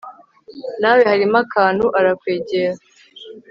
nawe, harimo akantu. arakwegera